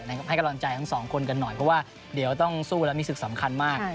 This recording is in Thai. ให้กำลังใจทั้งสองคนกันหน่อยเพราะว่าเดี๋ยวต้องสู้แล้วมีศึกสำคัญมาก